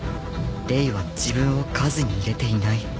「レイは自分を数に入れていない」